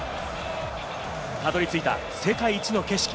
たどり着いた世界一の景色。